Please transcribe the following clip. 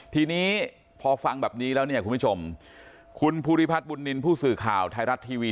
ทีนี้พอฟังแบบนี้แล้วเนี่ยคุณผู้ชมคุณภูริพัฒน์บุญนินทร์ผู้สื่อข่าวไทยรัฐทีวี